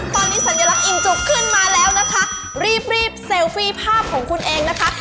ตอนนี้สัญลักษณ์อิ่มจุกขึ้นมาแล้วนะคะรีบรีบเซลฟี่ภาพของคุณเองนะคะ